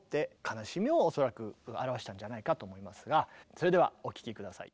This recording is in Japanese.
それではお聴き下さい。